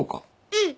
うん。